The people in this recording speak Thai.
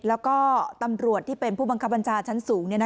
แล้วก็ตำรวจที่เป็นผู้บังคับบัญชาชั้นสูง